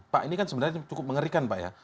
pak ini kan sebenarnya cukup mengerikan pak ya